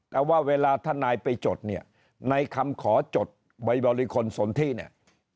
แต่ว่าเวลาท่านนายไปจดเนี่ยในคำขอจดใบบริคลสนที่เนี่ย